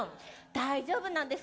大丈夫なんです。